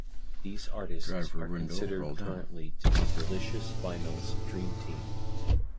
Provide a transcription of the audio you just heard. These artists are considered currently to be Delicious Vinyl's 'Dream Team'.